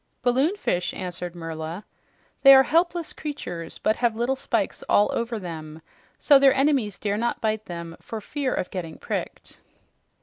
"Balloonfish," answered Merla. "They are helpless creatures, but have little spikes all over them so their enemies dare not bite them for fear of getting pricked."